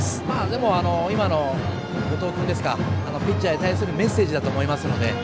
でも、今の後藤君ですかピッチャーに対するメッセージだと思いますので。